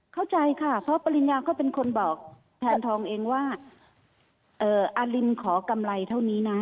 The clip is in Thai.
เข้าใจค่ะเพราะปริญญาเขาเป็นคนบอกแทนทองเองว่าอารินขอกำไรเท่านี้นะ